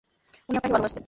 উনি আপনাকে ভালবাসতেন।